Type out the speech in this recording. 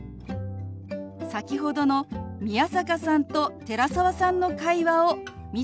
先ほどの宮坂さんと寺澤さんの会話を見てみましょう。